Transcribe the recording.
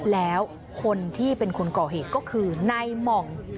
แล้วคนที่เป็นคนก่อเหตุก็คือนายหม่อง